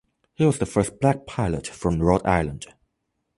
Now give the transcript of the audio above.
He was the first black pilot from Rhode Island.